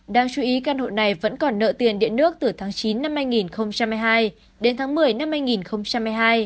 đáng chú ý căn hộ này vẫn còn nợ tiền điện nước từ tháng chín năm hai nghìn hai mươi hai đến tháng một mươi năm hai nghìn hai mươi hai